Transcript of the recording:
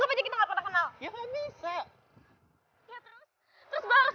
anda tidak perlu melihat saya